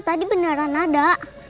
tadi beneran ada